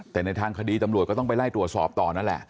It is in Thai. แต่ในทางคดีตำรวจก็ต้องไปไล่ตรวจสอบต่อนั่นแหละ